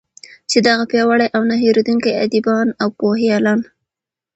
چې دغه پیاوړي او نه هیردونکي ادېبان او پوهیالان